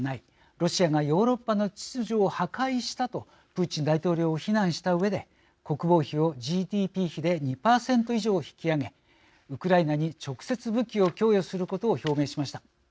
ロシアがヨーロッパの秩序を破壊した」とプーチン大統領を非難したうえで国防費をＧＤＰ比で２％以上引き上げウクライナに直接、武器を供与することを表明しました。